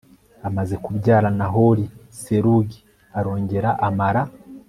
amaze kubyara nahori serugi arongera amara